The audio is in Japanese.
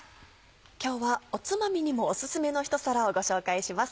今日はおつまみにもオススメの一皿をご紹介します。